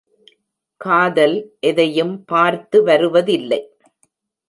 காதல் எதையும் பார்த்து வருவதில்லை.